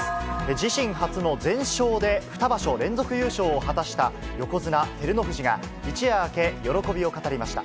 自身初の全勝で、２場所連続優勝を果たした横綱・照ノ富士が、一夜明け、喜びを語りました。